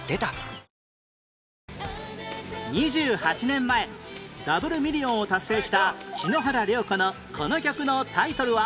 ２８年前ダブルミリオンを達成した篠原涼子のこの曲のタイトルは？